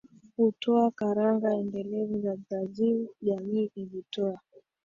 hutoa karanga endelevu za brazil Jamii ilitoa